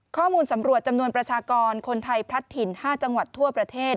ข้อมูลสำรวจจำนวนประชากรคนไทยพลัดถิ่น๕จังหวัดทั่วประเทศ